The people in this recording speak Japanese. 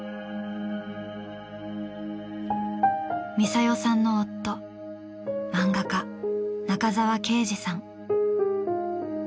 ミサヨさんの夫漫画家中沢啓治さん。